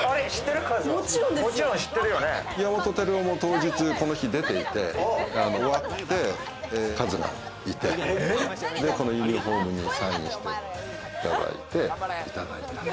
岩本輝雄も当日この日出ていて、終わって、カズがいて、このユニホームにサインしていただいて。